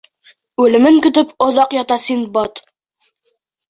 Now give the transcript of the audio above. Үлемен көтөп, оҙаҡ ята Синдбад.